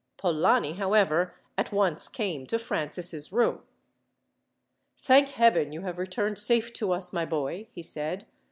Polani, however, at once came to Francis' room. "Thank Heaven you have returned safe to us, my boy!" he said.